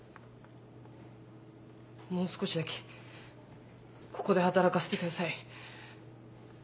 もう少しだけここで働かせてください。